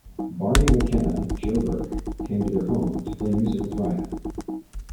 Barney Mc Kenna, Joe Burke came to their home to play music with Ryan.